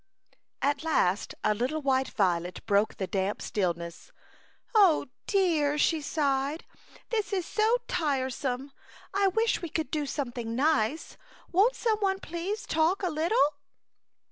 At last a little white violet broke the damp stillness. ■" O dear !'' she sighed, " this is so tiresome, I wish we could do some thing nice. Won't some one please talk a little